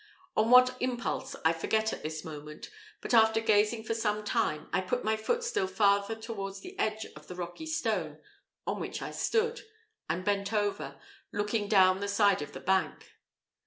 On what impulse I forget at this moment, but after gazing for some time, I put my foot still farther towards the edge of the rocky stone on which I stood, and bent over, looking down the side of the bank.